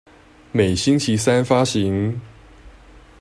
每星期三發行